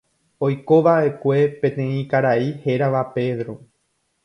Oikova'ekue peteĩ karai hérava Pedro.